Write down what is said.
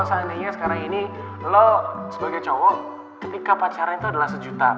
seandainya sekarang ini lo sebagai cowok ketika pacaran itu adalah sejuta